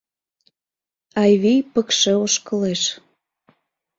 Айвий пыкше ошкылеш.